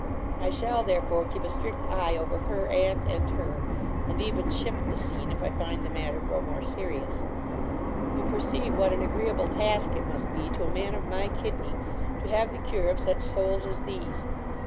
I shall, therefore, keep a strict eye over her aunt and her, and even shift the scene, if I find the matter grow more serious You perceive what an agreeable task it must be, to a man of my kidney, to have the cure of such souls as these.